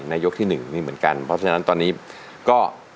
ยกที่๑นี่เหมือนกันเพราะฉะนั้นตอนนี้ก็